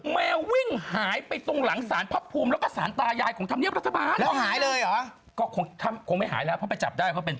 แม่หายไปไหนคนพยายามหาว่าแม่หายไปไหน